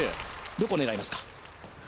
どこ狙いますか？